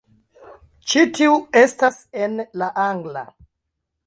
Ĉi tiu estas en la angla